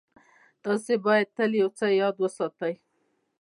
تاسې بايد تل يو څه ياد وساتئ.